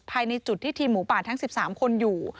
ภายในจุดที่ทีมหมูป่าทั้ง๑๓คนอยู่